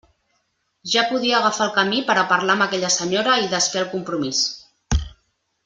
Ja podia agafar el camí per a parlar amb aquella senyora i desfer el compromís!